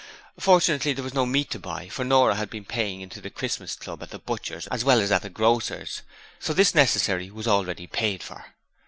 Fortunately, there was no meat to buy, for Nora had been paying into the Christmas Club at the butcher's as well as at the grocer's. So this necessary was already paid for.